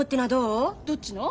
どっちの？